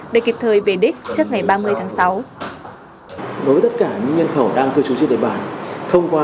để kịp thời về đích trước ngày ba mươi tháng sáu